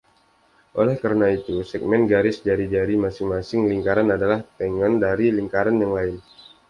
Oleh karena itu, segmen garis jari-jari masing-masing lingkaran adalah tangen dari lingkaran yang lain.